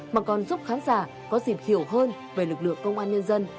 mà còn giúp khán giả có dịp hiểu hơn về lực lượng công an nhân dân